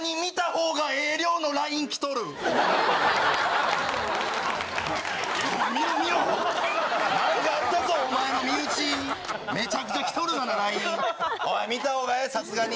おい、見たほうがええ、さすがに。